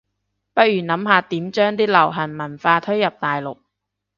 不如諗下點將啲流行文化推入大陸